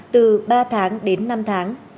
từ ba tháng đến năm tháng